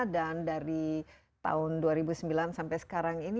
dan dari tahun dua ribu sembilan sampai sekarang ini